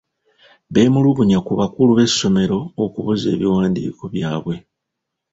Beemulugunya ku bakulu b'essomero okubuza ebiwandiko byabwe.